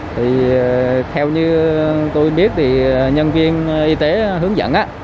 thì theo như tôi biết thì nhân viên y tế hướng dẫn